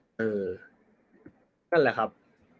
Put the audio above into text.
นั่นแหละครับ